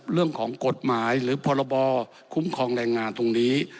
เรื่องของกฎหมายหรือพรบคุ้มครองแรงงานตรงนี้